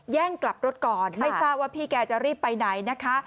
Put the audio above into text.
แย่งกลับรถก่อนไม่ทราบว่าพี่แกจะรีบไปไหนนะคะ